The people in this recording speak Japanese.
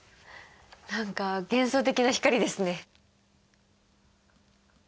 何か幻想的な光ですね。